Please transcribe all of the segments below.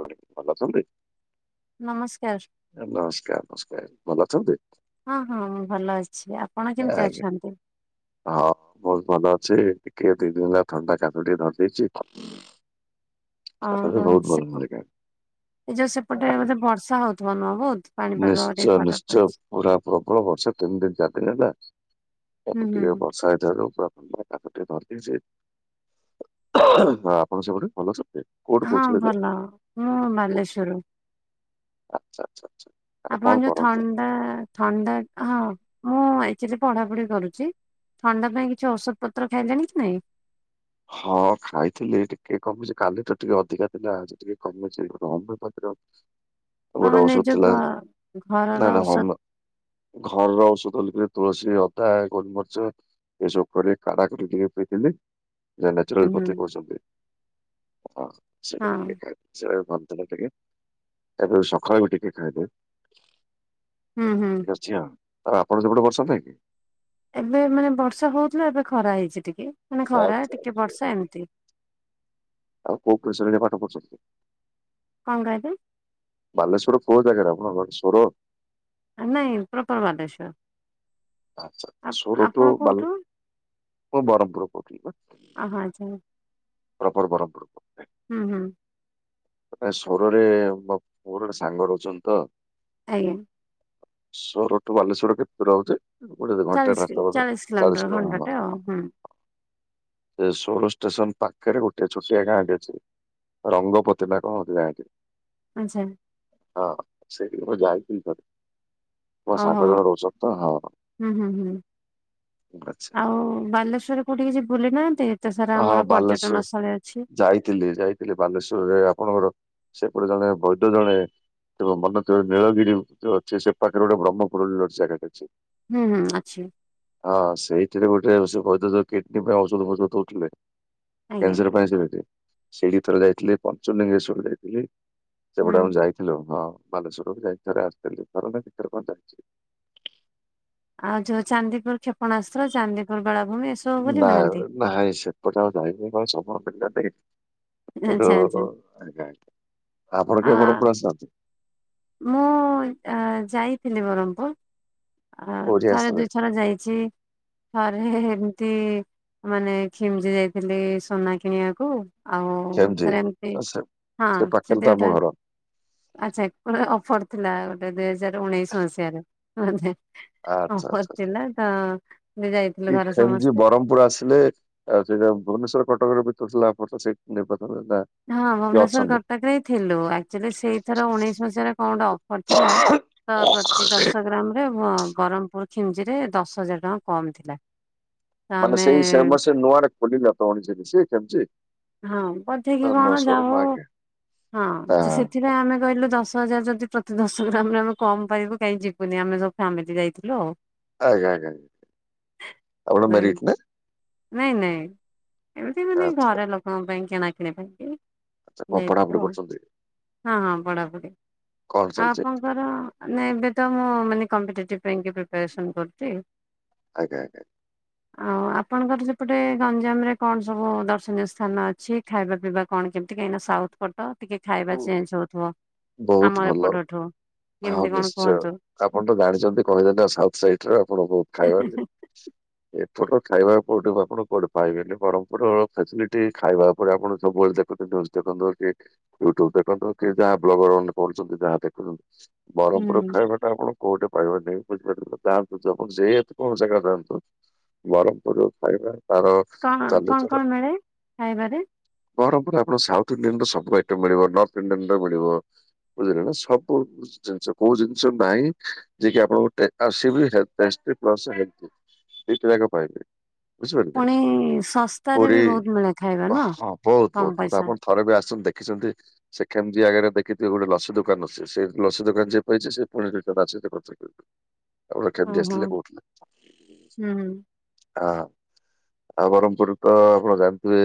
ଭଲ ଅଛନ୍ତି? ନମସ୍କାର। ନମସ୍କାର ନମସ୍କାର ଭଲ ଅଛନ୍ତି? ହଁ ହଁ ମୁଁ ଭଲ ଅଛି ଆ ଆଜ୍ଞା। ହଁ ବହୁତ ଭଲ ଅଛି ଟିକେ ଦି ଦିନ ହେଲା ଥଣ୍ଡା ଖାସ ଟିକେ ଧରି ଦେଇଛି ଓହୋ ଭଲ ସେପ ମିଳିଲା। ଏ ଯୋଉ ସେପଟେ ବୋଧେ ବର୍ଷା ହଉଥିବ ନୁହଁ ବହୁତ? ପାଣିପାଗରେ ନିଶ୍ଚୟ ଖରାପ ନିଶ୍ଚୟ। ଅଛି। ପୁରା ପ୍ରବଳ ବର୍ଷା ତିନି ଦିନ ଚାରି ଦିନ ହେଲା ହୁଁ ତାକୁ ହୁଁ ଟିକେ ହୁଁ ବର୍ଷା ହେଇଥିବାରୁ ପୁରା ତାକୁ ଟିକେ ଧରିଦେଇଛି ହ ଆପଣ ସେପଟେ ଭଲ ସବୁ? ହଁ ଭଲ ମୁଁ ବାଲେଶ୍ୱର ରୁ ଆଛା ଆଛା ଆଛା। ଆପଣ ଯୋଉ ଥଣ୍ଡା ଥଣ୍ଡା ହଁ ମୁଁ ଏକ୍ଟୁଆଲି ପଢାପଢି କରୁଛି। ଥଣ୍ଡା ପାଇଁ କିଛି ଔଷଧ ପତ୍ର ଖାଇଲେଣି କି ନାଇଁ? ହଁ ଖାଇଥିଲି ଟିକେ କମିଛି କାଲି ତ ଟିକେ ଅଧିକା ଥିଲା ଆଜି ଟିକେ କମିଛି ଆଉ ଗୋଟେ ମାନେ ଔଷଧ ଯୋଉ ଘ ଥିଲା ଘରର ନା ନା ଔଷଧ ହୋମ୍ ଘରର ଔଷଧ ବୋଲି କି ତୁଳସୀ, ଅଦା, ଗୋଲମର୍ଚ ଏସବୁ ଉପରେ କଡ଼ା କରି ଟିକେ ପିଇଦେଲି। ନ୍ୟାଚୁରାଲ ହୁଁ ପୋତି କରୁଛନ୍ତି ସେଟା ହଁ ଟିକେ ଖ [unintelligible] ସେ ଭଲଥିଲା ଟିକେ ଏବେ ସକାଳୁ ଟିକେ ଖାଇଦେ ହୁଁ ହୁଁ। କରଛିଁଆ ଆପଣ ସେପଟେ ବର୍ଷା ନାଇଁ କି? ଏବେ ମାନେ ବର୍ଷା ହଉଥିଲା ଏବେ ଖରା ହେଇଛି ଟିକେ ମାନେ ଖରା ଆଚ୍ଛା ଟିକେ ବର୍ଷା ଏମିତି। ଆଉ କୋଉ କୋଉ ଶ୍ରେଣୀରେ ପାଠ ପଢୁଛନ୍ତି? କ କହିଲେ? ବାଲେସ୍ୱର କୋଉ ଜାଗାରେ ଆପଣ ଘର ସ୍ୱର? ନାଇଁ ପ୍ରୋପର ବାଲେଶ୍ୱର୍। ଆଚ୍ଛା ସ୍ୱର ତୁ ବାଲ କୋଉଠୁ ମୁଁ ବ୍ରରମପୁର କହୁଥିଲେ ବା। ଆହା ଯା ପ୍ରପର୍ ବରମପୁରୁ। ହୁଁ ହୁଁ। ସ୍ୱର ରେ ମ ମର ଗୋଟେ ସାଙ୍ଗ ରହୁଛନ୍ତି ତ? ଆଜ୍ଞା। ସ୍ୱର ଠୁ ବାଲେଶ୍ୱର କେତେ ଦୂର ହଉଛି ଗୋଟେ ଦି ଘଣ୍ଟା ଚାଳିଶ କି ରାସ୍ତା ବୋଧେ କିଲୋମିଟର ଚାଳିଶ କିଲ ଘଣ୍ଟାଟେ ଆଉ ହୁଁ ସେ ସୋର ଷ୍ଟେସନ ପାଖରେ ଗୋଟେ ଛୋଟିଆ ଗାଁ ଟେ ଅଛି। ରଙ୍ଗ ପୋତିନି ନା କ ଗାଁ ଟି। ଆଛା। ହଁ ସେଇଠିକ୍ ମୁଁ ଯାଇଥିଲି ଥରେ। ମୋ ଓହୋ। ସାଙ୍ଗ ଜଣେ ରହୁଛନ୍ତି ହଁ। ହୁଁ ହୁଁ ହୁଁ ଆଚ୍ଛା ଆଉ ବାଲେସ୍ୱର କୋଉଠି କିଛି ବୁଲି ନାହାନ୍ତି? ଏତେ ସାରା ହଁ ଆମର ପର୍ଯ୍ୟଟନ ବାଲେଶ୍ଵର ସ୍ଥଳୀ ଅଛି। ଯାଇଥିଲି ଯାଇ ଥିଲେ ବାଲେଶ୍ଵରରେ ଆପଣଙ୍କର ସେପଟେ ଜଣେ ବୈଦ ଜଣେ ଥିବ ମନେ ଥିବ ନୀଳଗିରି ଯୋଉ ଅଛି ସେ ପାଖରେ ଗୋଟେ ବ୍ରହ୍ମପୁରୁ ବୋଲି ଅଛି ଜାଗା ଟେ ଅଛି। ହୁଁ ହୁଁ ଅଛି। ହଁ ସେଇଥିରେ ଗୋଟେ ସେ ବୈଦ ଯୁ କିଡନୀ ପାଇଁ ଔଷଧ ଫଔଷଧ ଦଉଥିଲେ। ଆଜ୍ଞା କ୍ୟାନସର୍ ପାଇଁ ସିରିଡି ଯାଇ। ସିଡ଼ି ଥରେ ଯାଇଥିଲି ପଞ୍ଚଲିଙ୍ଗେଶ୍ଵର ଯାଇଥିଲି। ହୁଁ। ସେପଟେଆ ମୁ ଯାଇଥିଲୁ ହଁ ବାଲେଶ୍ଵରକୁ ଯାଇକି ଥରେ ଆସିଥିଲି, ଥରେ ନାଁ ଦି ଥର କଁ ଯାଇଚି? ଆଉ ଯୋଉ ଚାନ୍ଦିପୁର୍ କ୍ଷେପଣାସ୍ତ୍ର ଚାନ୍ଦିପୁର୍ ବେଳାଭୂମି ଏସ ନା ନାଇଁ ସେପଟେ ଆଉ ଯାଇନି। କଣ [unintelligible] କିନ୍ତୁ ଆଚ୍ଛା ଆଜ୍ଞା! ଆଚ୍ଛା। ଆଜ୍ଞା! ଆପଣ କେବଳ ପ୍ରଶାନ୍ତି। ମୁଁଉଁ ଏଁ ଯାଇଥିଲି ବରହମପୁର୍। ଆଁ କୋଉଠି ଥରେ ଆସିବେ ଦୁଇଥର ଯାଇଛି। ଥରେ ହେ ଏ ଏମତି ମାନେ ଖିମଜି ଯାଇଥିଲି ସୁନା କିଣିଆକୁ। ଆଉ କେମିତି ଥରେ ଏମତି ଆଚ୍ଛା। ହଁ ସେ ପାଖରେ ତ ସେଦିଅ ଆମ ଠାରୁ ଘର ଆଚ୍ଛା। ଏପଟେ ଅଫର୍ ଥିଲା ଗୋଟେ ଦୁଇ ହଜାର ଉଣେଇଶ ମସିଆରେ। ମାନେ ହେ ହେ ଆଚ୍ଛା ଅଫର୍ ଆଚ୍ଛା ଆଚ୍ଛା ଥିଲା ତ ଯାଇଥିଲୁ ଘରେ ସମସ୍ତେ। ପୁରା ଆସିଲେ ଆଉ ସେଇଟା ଭୁବେନେଶ୍ଵର କଟକରେ ଭିତୁରୁଥିଲା ଆପରତ ସେଇ ନିର୍ବାଚନରେ ନା। ହଁ ହଁ କିଏ ଭୁବନେଶ୍ଵର୍ ଅଛନ୍ତି? କଟକରେ ଥିଲୁ। ଆକଚୁଆଲି ସେଇଥର ଉଣେଇଶ ମସିଆରେ କଁ ଗୋଟେ ଅଫର୍ ଥିଲା? ହ ପ୍ରତି ଦଶ ଗ୍ରାମ୍ ରେ ବ ବରହମପୁର ଖିମଜିି ରେ ଦଶ ହଜାର୍ ଟଙ୍କା କମ୍ ଥିଲା। ତ ମାନେ ଆମେ ସେଇ ସେମ୍ ମାସେରେ ନୂଆଟା ଖୋଲିଲେ ଅକ୍ଟୋ [unintelligible] ତରିଶି ଖିମଜି। ହଁଅଁ ପଠେଇକି କଣ ଯା ହଉ, ହଁଅଁ ହଁ ତ ସେଥିପାଇଁ ଆମେ କହିଲୁ ଦଶ୍ ଦଶ ହଜାର୍ ଯଦି ପ୍ରତି ଦଶ ଗ୍ରାମ୍ ରେ ଆମେ କମ୍ ପାଇବୁ କାଇଁ ଯିବୁନି ଆମେ ସବୁ ଫ୍ୟାମିଲି ଯାଇଥିଲୁ ଆଉ। ଆଜ୍ଞା। ଆଜ୍ଞା। ଆଉ ଗୋଟେ [unintelligible] ନାଇଁ ନାଇଁ ଏମତି ମାନେ ଆଚ୍ଛା। ଘର ଲୋକଙ୍କ ପାଇଁ କିଣାକିଣି ପାଇଁ କି। ଆଚ୍ଛା କଣ ଯାଇ ପଢାପଢି ଥିଲୁ ଆଉ। କରୁଛନ୍ତି ହଁ ହଁ, ବଡାବଡି କଣ ଆଉ ଚାଲିଛି ଆପଣ ଙ୍କର ନାଇଁ ଏବେ ତ ମୁଁ ମାନେ କମ୍ପିଟିଟିପ୍ ପାଇଁକି ପ୍ରିପେଆରସନ୍ କରୁଚି। ଆଜ୍ଞା! ଆଜ୍ଞା! ଆଉ ଆପଣଙ୍କର ସେପଟେ ଗଞ୍ଜାମ ରେ କଣ ସବୁ ଦର୍ଶନୀୟ ସ୍ଥାନ ଅଛି। ଖାଇବା ପିଇବା କଣ କେମତି କାଇଁନା ସାଉଥ୍ ପଟ ଟିକେ ଖାଇବା ଚେଞ୍ଜ ହୋଉଥୁବ। ବହୁତ ଆମ ଭଲ। ଏପଟ ଠୋଉଁ। ହଁ ନିଶ୍ଚୟ ଆପଣ ତ ଜାଣିଚନ୍ତି କହିଦେଲେ ସାଉଥ୍ ସାଇଡ୍ ର ଆପଣ ବୋହୁତ୍ ଖାଇବା ଦେଲେ। ହଁ [unintelligible] ଛୋଟ ଖାଇବାକୁ କୋଉଠିବି ଆପଣ କୁଆଡୁ ପାଇବେନି। ବରହମପୁରୁର ଫେସିଲିଟି ଖାଇବା ଓପେରେ ଆପଣ ସବୁବେଳେ ଦେଖୁଚନ୍ତି ଦେଖନ୍ତୁ କି ୟୁଟ୍ୟୁବ୍ ଦେଖନ୍ତୁ କି ଯା ବ୍ଲଗର ମାନେ କରୁଚନ୍ତି ଯାହା ଦେଖୁଚନ୍ତି, ବରହମପୁରର ହୁଁ ଖାଇବା ସେଟା ଆପଣ କୋଉଠି ପାଇବେନି। ବୁଝିପାରୁଚନ୍ତିତ ଯାଆନ୍ତୁ [unintelligible] ଯାଆନ୍ତୁ ବରହମପୁରୁ ଖାଇବା ତାର କଣ କଁଣ୍ କଁଣ୍ ମିଳେ ଖାଇବାରେ? ବରହମପୁର ରେ ଆପଣ ସାଉଥ୍ ଇଣ୍ଡିଆନ୍ ର ସବୁ ଆଇଟମ୍ ମିଳିବ। ନର୍ଥ ଇଣ୍ଡିଆନ୍ ର ମିଳିବ। ବୁଝିଲେନା ସବୁ ଜିନିଷ କୋଉ ଜିନିଷ ନାଇଁ ଯଏ କି ଆପଣଙ୍କୁ [unintelligible] ପ୍ଲସ୍ ହେଲଦି। ଦିଟା ଯାକ ପାଇବେ। ବୁଝିପାରିଲେ ପୁଣି ଶସ୍ତାରେ ପୁରୀ ବି ବହୁତ ମିଳେ ଖାଇବା ନୁହଁ ହଁ ବୋହୁତ୍ କମ ବୋହୁତ୍ ବୋହୁତ୍ ପଇସା। ଆପଣ ଥରେ ବି ଆସଚନ୍ତି ଦେଖିଚନ୍ତି ସେ ଖେମଜି ଆଗେରେ ଦେ ଖି ଥିବେ ଗୋଟେ ଲସି ଦୋକାନ ଅଛି। ସେ ଲସି ଦୋକାନ ଯିଏ ପାଇଛି ସେ ପୁଣି ରିଟର୍ଣ ଆସିକି ଦୋକାନ୍ ସାଇଟ୍ ରେ ଆପଣ କେମତି ଓହୋ ହୁଁ ଆସଥିଲେ କୋଉଠିକି? ହୁଁ ଆଁ ଆଉ ବରହମପୁର୍ ରୁ ତ ଆପଣ ଜାନଥିବେ,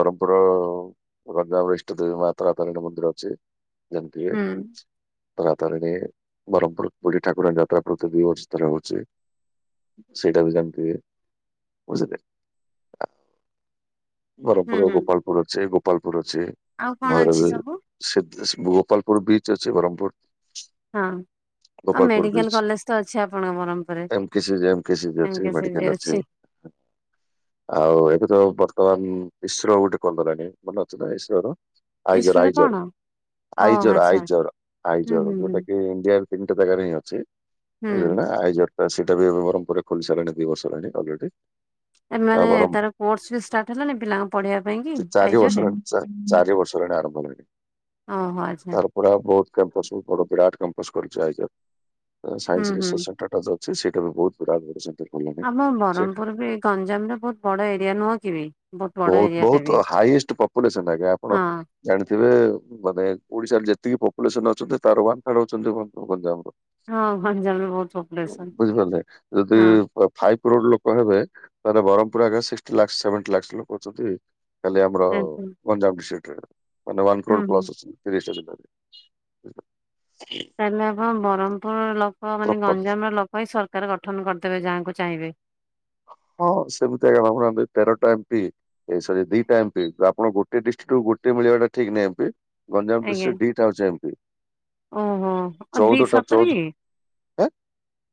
ବରହମପୁରର ଗଞ୍ଜାମ ଇଷ୍ଟ ଦେବୀ ମା ତାରା ତାରିଣୀଙ୍କ ମନ୍ଦିର ଅଛି। ଯେମତିକି ହୁଁ ତାରା ତାରିଣି ବରହମପୁର ବୁଢ଼ୀ ଠାକୁରାଣୀ ଯାତ୍ରା ପ୍ରତି ଦି ବର୍ଷରେ ଥରେ ହୋଉଚି। ସେଇଟାବି ଜାଣିଥିବେ [unintelligible] ହୁଁ ବ୍ରରହ୍ମପୁର ହୁଁ ଗୋପାଳପୁର ଅଛି ଗୋପାଳପୁର ଅଛି ଆଉ କଣ ଅଛି ଭୈରବ ସବୁ? ସେ ସେ ଗୋପାଳପୁର ବିଚ ଅଛି ବ୍ରହମପୁର ହଁ ଆ ମେଡିକାଲ କଲେଜ ତ ଅଛି ଆପଣଙ୍କ ବ୍ରହ୍ମପୁରୁ M K C M K C ଅଛି ମେଡିକାଲ ରେ [unintelligible] ଅଛି [inaudible] ଆଉ ଏବେ ତ ବର୍ତ୍ତମାନ ଇସ୍ରୋ ଗୋଟେ କରିଦେଲାଣି ମନେ ଅଛି ନା ଇସ୍ରୋ ର ଆଇଜର ଇସ୍ରୋ ର ଆଇଜର କଣ? ଓ ଆଇଜର ଆଚ୍ଛା ଆଇଜର ହୁଁ ଆଇଜର ହୁଁ ହୁଁ ଯୋଉଟା କି ଇଣ୍ଡିଆ ତିନିଟା ଜାଗାରେ ହିଁ ଅଛି। ବୁଝିଲୁ ହୁଁ। ନା ଆଇଜର ଟା ସେଟାବି ବ୍ରହ୍ମପୁରରେ ଖୋଲିସାରିଲାଣି ଦିଇ ବର୍ଷ ହେଲାଣି ଅଲରେଡି। ଆଉ ଏମାନେ ବ୍ରହ୍ମ ତାର କୋର୍ସ ବି ଷ୍ଟାର୍ଟ ହେଲାଣିି ପିଲାଙ୍କ ପଢେଇବା ପାଇଁ କି ଆ ଚାରି ବର୍ଷ ହେଲାଣି ଚା ଚାରି ବର୍ଷ ହେଲାଣି ଆରମ୍ଭ ହେଲାଣି। ଆଁ ହଁ ଆଜ ତାର ପୁରା ବହୁତ କ୍ୟାମ୍ପସ ସବୁ ବଡ଼ ବିରାଟ କ୍ୟାମ୍ପସ କରିକି ଛିଡା ହୋଇଛନ୍ତି ହୁଁ ସାଇନ୍ସ ହୁଁ ଡିସ୍କସନ ଟାଟା ଅଛି ସେଇଟା ବି ବହୁତ ବି [unintelligible] ଆମ ବ୍ରହ୍ମପୁର ବି ଗଞ୍ଜାମରେ ବହୁତ ବଡ ଏରିଆ ନୁହଁ କି ବି ବଡ ବହୁତ ଏରିଆ ଟା ବି ବହୁତ ହାଇଏଷ୍ଟ ପପୁଲେସନ ଆଜ୍ଞା ଆପଣ ହଁ ଜାଣିଥିବେ ମାନେ ଓଡିଶାରେ ଯେତିକି ପପୁଲେସନ ଅଛନ୍ତି ତାର ୱାନ୍ ଥାର୍ଡ ହେଉଛନ୍ତି ଗଞ୍ଜାମ ର। ହଁ ଗଞ୍ଜାମରେ ବହୁତ ପପୁଲେସନ୍ ବୁଝିପାରିଲେ ଯଦି ହଁ ଫାଇଭ କୋରଡ ଲୋକ ହେବେ ତାଲେ ବ୍ରହ୍ମପୁର ଆକ ସିଷ୍ଟୀ ଲାକ୍ସ ସେଭେନଟି ଲାକ୍ସ୍ ଲୋକ ଅଛନ୍ତି। କାଲି ଆମର ଆଜ୍ଞା ଗଞ୍ଜାମ ଡିଷ୍ଟିକରେ ଅନ୍ୟମାନଙ୍କ ହୁଁ ହୁଁ। [unintelligible] ତିରିଶି ଟା ଜିଲ୍ଲା ରେ [inaudible] ତାହେଲେ ଆପଣ ବ୍ରହ୍ମପୁର ଲୋକ ମାନେ ପ୍ରପର ଗଞ୍ଜାମ ର ଲୋକ ହିଁ ସରକାର ଗଠନ କରିଦେବେ ଯାହାକୁ ଚାହିଁବେ। ହଁ ସେମିତି ଆଜ୍ଞା ହବନା ବେ ତେରଟା ଏମପି ଏ ସରି ଦିଟା ଏମପି ଆପଣ ଗୋଟେ ଡିଷ୍ଟ୍ର୍ଟରୁ ଗୋଟେ ମିଳିବାଟା ଠିକ ନାଇଁ ଏମପି ଗଞ୍ଜାମ ଆଜ୍ଞା ଡିଷ୍ଟିକ୍ ରେ ଦିଟା ଅଛି ଏମପି। ଓହୋ ଅ ଦି ଚଉଦଟା ସତରେ ଚଉଦ କି? ହେ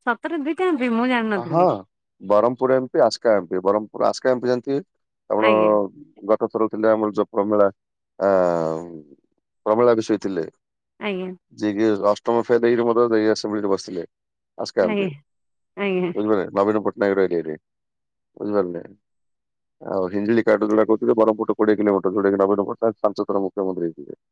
ସତରେ ଦିଇଟା ଏମପି ମୁଁ ହଁ ଜାଣିନଥିଲି। Brahmapur MP Aska MP Brahmapur Aska MP ଜାଣିଥିବେ ଆପଣ ଆଜ୍ଞା ଗତ ଥର ଥିଲେ ଆମର ଯୋଉ ପ୍ରମିଳା ଆ ପ୍ରମିଳା ବିଷଇ ଥିଲେ। ଆଜ୍ଞା ଯିଏ କି ଅଷ୍ଟମ ଫେଲ ହେଇକିରି ମଧ୍ୟ ଯେଇ ଆସେମ୍ବଲି ରେ ବସିଲେ। ଆସ୍କା ଏମପି ଆଜ୍ଞା ଆଜ୍ଞା ବୁଝପାରିଲ ନବୀନ ପଟ୍ଟନାୟକ ର ଏରିଆରେ ବୁଝିପାରିଲେ ହଁ। ଆଉ ହିଞ୍ଜିଲି କାଟରେ ଯୋଉଟା କହୁଥିଲୁ ବ୍ରହ୍ମପୁର ଠୁ କୋଡିଏ କିଲୋମିଟର ଯୋଉଟା କି ନବୀନ ପଟନାୟକ ପାଞ୍ଚଥର ମୁଖ୍ୟମନ୍ତୀ ହୋଇଥିଲେ।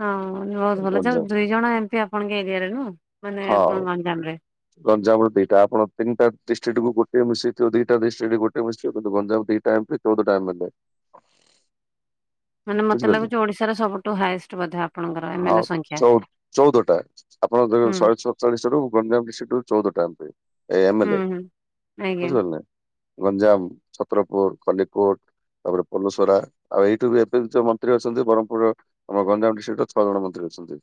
ହଁ ମାନେ ବହୁତ ଭଲ ଜାହଉ ଦୁଇଜଣ ଏମପି ଆପଣଙ୍କ ଏରିଆରେ ନୁହେଁ ମାନେ ଆପଣ ଗଞ୍ଜାମରେ ଗଞ୍ଜାମ ର ଦିଟା ଆପଣ ତିନିଟା ଡିଷ୍ଟ୍ର୍ଟକୁ ଗୋଟେ ମିଶେଇଥିବ ଦିଟ ଡିଷ୍ଟ୍ରିକୁ ଗୋଟେ ମିଶଥିବକିନ୍ତୁ ଗଞ୍ଜାମ ଦିଟା ଏମପି ଚଉଦଟା ଏ ମେଲେ [inaudible] ମାନେ ମତେ ବୁଝିପାରିଲେ ଲାଗୁଚି ଓଡିଶାର ସବୁଠୁ ହାଇଏଷ୍ଟ ବୋଧେ ଆପଣଙ୍କର ହଁ ଏମଏଲ ସଂଖ୍ୟା। ଚଉ ଚଉଦଟା। ଆପଣ ଦେ ହୁଁ ଶହେ ସତ ଚାଳିଶ ରୁ ଗଞ୍ଜାମ ଡ଼ିସ ଟୂଟାଲି ଚଉଦଟା ଏମପି ଏମ ହୁଁ ଏଲେ ହୁଁ ଆଜ୍ଞା ବୁଝିପାରିଲ ଗଞ୍ଜାମ ଛତ୍ରପୁର ଖଲିକୋଟ ତାପରେ ପଲୁସରା ଆଉ ଏଇଠୁ ବି ଏବେ ବି ଯୋଉ ମନ୍ତ୍ରୀ ଅଛନ୍ତି ବ୍ରହ୍ମପୁରର ଆମ ଗଞ୍ଜାମ ଡିଷ୍ଟ୍ରିରୁ ଛଜଣ ମନ୍ତ୍ରୀ ଅଛନ୍ତି।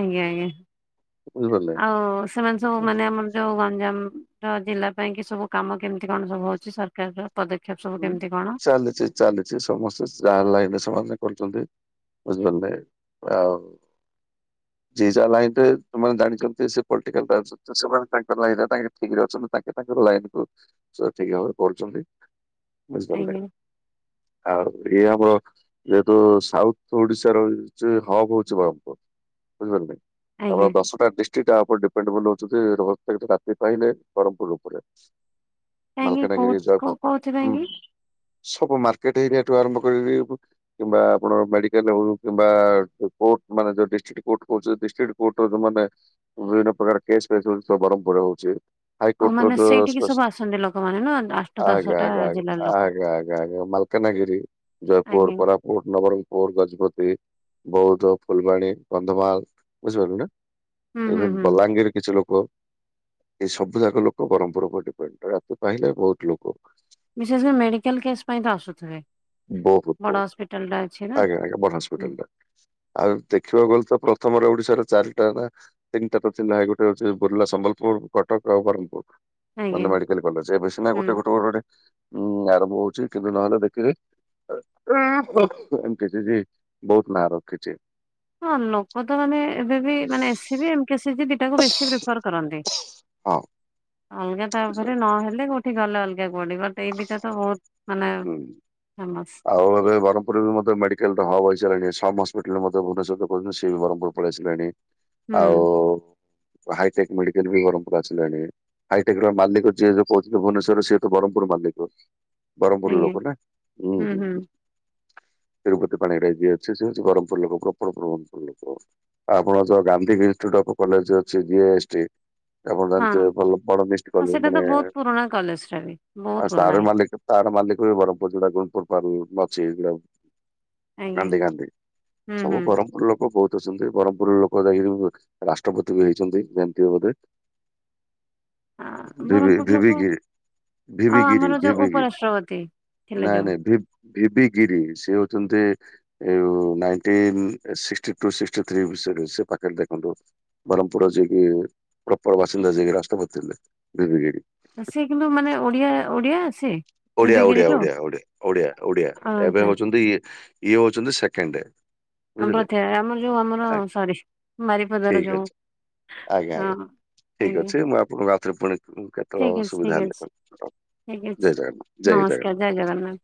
ଆଜ୍ଞା ଆଜ୍ଞା ବୁଝିପାରିଲେ ଆଉ ସେମାନେ ସବୁ ମାନେ ଆମର ଯୋଉ ଗଞ୍ଜାମର ଜିଲ୍ଲା ପାଇଁ ସବୁ କାମ କେମିତି କଣ ହଉଛି ସରକାରର ର? ପଦକ୍ଷେପ ସବୁ ଉଁ କେମିତି କଣ? ଚାଲିଛି ଚାଲିଛି ସମସ୍ତେ ଯାହା ଲାଇନରେ ସବୁ ଆମେ କରୁଛନ୍ତି। ବୁଝିପାରିଲେ? ଆଉ ଯିଏ ଯା ଲାଇନରେ ସମାନେ ଜାଣିଚନ୍ତି ସେ ପଲଟିକାଲ ଟାକ୍ସ। ସେମାନେ ତାଙ୍କର ଲାଇନ ତାଙ୍କେ ଠିକ ରେ ଅଛନ୍ତି ତାଙ୍କେ ତାଙ୍କର ଲାଇନ କୁ ଠିକ ଭାବରେ କରୁଛନ୍ତି। ବୁଝିପାରିଲେ? ଆଜ୍ଞା ଆଉ ଇଏ ଆମର ଯେହେତୁ ସାଉଥ ଓଡ଼ିଶାର ରହୁଚି ହବ ହଉଛି ବମ। ବୁଝିପାରିଲେ? ଆମ ଆଜ୍ଞା ଦଶଟା ଡିଷ୍ଟ୍ରିକ୍ଟ ଆ ଉପରେ ଡିପେଣ୍ଡବଲ ହଉଛି ଯେ ର ରାତି ପାଇଲେ ବ୍ରହ୍ମପୁର ଉପରେ। କାହିଁକି କୋଉ ମାଲକାନଗିରିର କୋଉ କୋଉଥିପାଇଁ ହୁଁ କି? ସବୁ ମାର୍କେଟ ଏରେଆଠୁ ଆରମ୍ଭ କରି କରି କିମ୍ବା ଆପଣ ମେଡିକାଲ ହଉ କିମ୍ବା କୋଟ ମାନେ ଯୋଉ ଡିଷ୍ଟ୍ କୋଟ କହୁଚନ୍ତି ଡିଷ୍ଟିଡ କୋର୍ଟର ମାନେ ବିଭିନ୍ନ ପ୍ରକାରର କେସ୍ ଫେସ୍ ରହୁଛି ସବୁ ବ୍ରହ୍ମପୁରରେ ହଉଚି। ଓ ମାନେ ସେଇଠିକି ସବୁ ଆସନ୍ତି ଲୋକମାନେ ନା ଆଠ ଆଜ୍ଞା ଦଶଟା ଆଜ୍ଞା ଆଜ୍ଞା ଜିଲ୍ଲାର ଲୋକ ଆଜ୍ଞା ଆଜ୍ଞା ମାଲକାନାଗିରି, ଜୟପୁର, ଆଜ୍ଞା। କୋରା ପୁଟ, ନବରଙ୍ଗପୁର, ଗଜପତି, ବୌଦ୍ଧ, ଫୁଲବାଣୀ, କନ୍ଧମାଳ, ବୁଝିପାରିଲୁ ନା। ହୁଁ ହୁଁ ଏବେ ହୁଁ ବଲାଙ୍ଗୀର କିଛି ଲୋକ ଏ ସବୁ ଯାକ ଲୋକ ବ୍ରହ୍ମପୁର ଉପରେ ଡିପେଣ୍ଡ ତାକୁ କାହିଁକି ଆମେ ବହୁତ ଲୋକ ବିଶେଷ କରି ମେଡିକାଲ କେସ୍ ପାଇଁ ତ ଆସୁଥିବେ। ବହୁତ ବଡ ବହୁତ ହସ୍ପିଟାଲ ଟା ଅଛି ନା। ଆଜ୍ଞା ଆଜ୍ଞା ବଡ଼ ହୁଁ ହସ୍ପିଟାଲଟା। ଆଉ ଦେଖିବାକୁ ଗଲେ ତ ପ୍ରଥମର ଓଡିଶାର ଚାରିଟା ନା। ତିନିଟାର ଥିଲା ଗୋଟା ହଉଛି ବୁର୍ଲା, ସମ୍ବଲପୁର କଟକ ଆଉ ବ୍ରହ୍ମପୁର। ଆଜ୍ଞା ମାନେ ମେଡିକାଲ କଲେଜ ଏବେ ସିନା ଗୋଟେ ହୁଁ। ଗୋଟେ ଗୋଟେ ଆରମ୍ଭ ହଉଛି କିନ୍ତୁ ନହେଲେ ଦେଖିବେ ଏମକେସିଜି ବହୁତ ନାଁ ରଖିଛି। ହଁ ଲୋକ ତ ମାନେ ଏବେ ବି ମାନେ ଏସିବି କେସିଜି ଦିଟାକୁ ବେଶୀ ପ୍ରିଫର କରନ୍ତି। ହଁ ଅଲଗା କହା ଉପରେ ନହେ କଲେ କୋଉଠି ଗଲେ ଅଲଗା କୁଆଡ ବଟ ଏଇ ଦିଟା ତ ବହୁତ ମାନେ ହୁଁ। ଫେମସ। ଆଉ ଏବେ ବ୍ରହ୍ମପୁରରୁ ମତେ ମେଡିକାଲ ଟା ହବ ଅଇଛା ଲାଗେ, ସମ ହସ୍ପିଟାଲ ମତେ ଭୁବନେଶ୍ୱରର ସିଏ ବି ବ୍ରହ୍ମପୁର ପଲେଇ ଆସିଲାଣି। ଆଉ ହୁଁ ହାଇଟେକ୍ ମେଡିକାଲ ବି ବ୍ରହ୍ମପୁରକୁ ଆସିଲାଣି। ହାଇଟେକ ର ମାଲିକ ଯିଏ ଯୋଉ ରହୁଛି ଭୁବେନଶ୍ଵର ସିଏ ତ ବ୍ରହ୍ମପୁର ମାଲିକ। ବ୍ରହ୍ମପୁର ଆଜ୍ଞା ଲୋକ ନା। ହୁଁ ହୁଁ। ତିରୁପତି ପାଣିଗ୍ରାହୀ ଯିଏ ଅଛି ସେ ବି ବ୍ରହ୍ମପୁର ଲୋକ ପ୍ରପର ବ୍ରହ୍ମପୁର ଲୋକ। ଆପଣ ଯୋଉ ଗାନ୍ଧୀ ଇୁଟ ଅଫ୍ କଲେଜ ଅଛି ଜି ଏସ୍ ଟି? ଆପଣ ହଁ ଜାଣିଥିବେ ଭଲ ବଡ ମିଷ୍ ହଁ କଲେ ସେଇଟା ତ ମାନେ ବହୁତ ପୁରୁଣା କଲେଜ ଟା ବି ବହୁତ ଆଉ ପୁରୁଣା ତାର ହେଇ ମାଲିକ ତାର ମାଲିକ ବି ବ୍ରହ୍ମପୁର ଯୋଉଟା ଗୁଣପୁରଲ ଅଛି ଏଇଟା। ଆଜ୍ଞା ଗାନ୍ଧୀ ଗାନ୍ଧୀ ହୁଁ ସବୁ ହୁଁ ବ୍ରହ୍ମପୁର ଲୋକ ବହୁତ ଛନ୍ତି ବ୍ରହ୍ମପୁରର ଲୋକ ଯାଇକି ରାଷ୍ଟ୍ରପତି ବି ହେଇଛନ୍ତି ଯାଣିଥିବେ ବୋଧେ। [inaudible] ଭିବି ବ୍ରହ୍ମପୁର ଲୋକ ଭିବଗିରି ଆଉ ଭିିବଗିରି ଆମର ଯୋଉ ଉପରାଷ୍ଟ୍ରପତି ଭିବଗିରି ଥିଲେ ନାଇଁ ଯୋଉ ନାଇଁ ଭି ଭିବି ଗିରି ସେ ହଉଛନ୍ତି ଏ ଯୋଉ ନାଇଣ୍ଚିନ ସିକ୍ସିଟୁ ସିକ୍ସିଟିଥ୍ରୀ ସେଇ ପାଖରେ ଦେଖନ୍ତୁ? ବରହମ୍ପୁର ଜେକି ପ୍ରପର ବାସିନ୍ଦ ଜେଗ ରାସ୍ତା କରିଥିଲେ। [unintelligible] ଆ ସେ କିନ୍ତୁ ମାନେ ଓଡିଆ ଓଡିଆ ସେ? ଓଡିଆ ଓଡିଆ ଓଡିଆ ଓଡିଆ ଓଡିଆ ଓଡିଆ ଏବେ ଆଚ୍ଛା ହଉଛନ୍ତି ଇ ଇଏ ହଉଛନ୍ତି ସେକେଣ୍ଡ। ଆମ ବୁଝିଲେ ପ୍ର ଆମର ଯୋଉ ଆମର ଆ ସରି ବାରିପଦାର ଠିକ ଯୋଉ ଆଜ୍ଞା ହଁ ଆଜ୍ଞା। ଠିକ୍ ଆଜ୍ଞା ଅଛି ମୁଁ ଆପଣଙ୍କୁ ଆଉ ଥରେ ପୁଣି କେତେକଳେ ଠିକ ଅଛି ଠିକ ସୁବିଧା ହେଲେ ଅଛି [unintelligible] ଠିକ ଅଛି ଜୟ ଜଗନ୍ନାଥ। ଜୟ ଜଗନ୍ନାଥ। ନମସ୍କାର ଜୟ ଜଗନ୍ନାଥ।